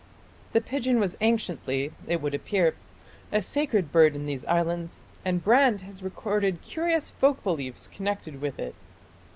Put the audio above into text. The pigeon was anciently, it would appear, a sacred bird in these islands, and Brand has recorded curious folk beliefs connected with it.